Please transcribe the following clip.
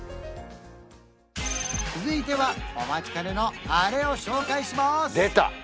続いてはお待ちかねのあれを紹介します！